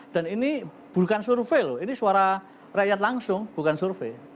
dan ini bukan survei loh ini suara rakyat langsung bukan survei